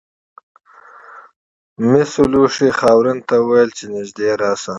مسو لوښي خاورین ته وویل چې نږدې راشه.